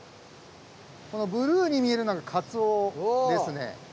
このブルーに見えるのがカツオですね。